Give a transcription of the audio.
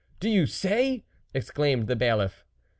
do you say ?" exclaimed the Bailiff.